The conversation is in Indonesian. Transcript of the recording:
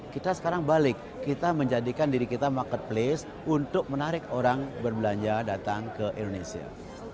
kita sekarang balik kita menjadikan diri kita marketplace untuk menarik orang berbelanja datang ke indonesia